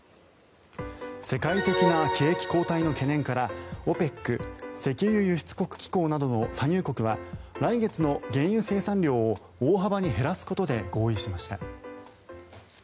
世界的な景気後退の懸念からＯＰＥＣ・石油輸出国機構などの産油国は来月の原油生産量を大幅に減らすことで合意しました。